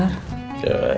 ternyata abang bener